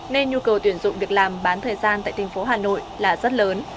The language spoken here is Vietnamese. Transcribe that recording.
nên nhu cầu tuyển dụng việc làm bán thời gian tại tp hà nội là rất lớn